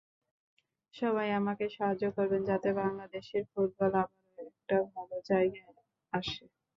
সবাই আমাকে সাহায্য করবেন যাতে বাংলাদেশের ফুটবল আবারও একটা ভালো জায়গায় আসে।